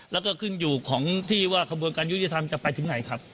แล้วก็ขึ้นอยู่ของที่ว่ากระบวนการยุติธรรมจะไปถึงไหนครับ